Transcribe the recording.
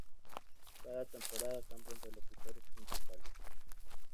Cada temporada cambian de locutores principales.